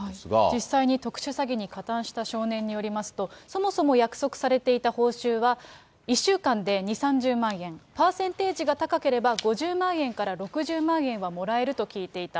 実際に特殊詐欺に加担した少年によりますと、そもそも約束されていた報酬は、１週間で２、３０万円、パーセンテージが高ければ５０万円から６０万円はもらえると聞いていた。